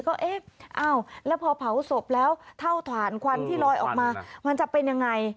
ก็เอ๊ะอ้าวแล้วพอเผาศพแล้วเท่าฐานควันที่ลอยออกมามันจะเป็นยังไง